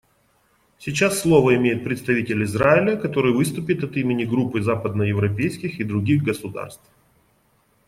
Сейчас слово имеет представитель Израиля, который выступит от имени Группы западноевропейских и других государств.